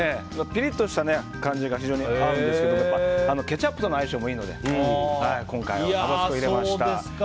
ピリッとした感じが非常に合うんですけどケチャップとの相性もいいので今回はタバスコを入れました。